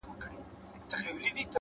عادتونه د انسان راتلونکی لیکي؛